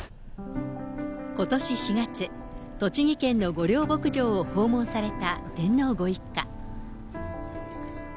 ことし４月、栃木県の御料牧場を訪問された天皇ご一家。